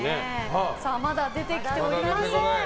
まだ出てきておりません。